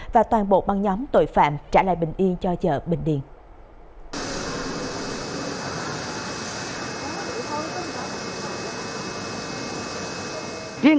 và toàn bộ băng nhóm tội phạm trả lại bình yên cho chợ bình điền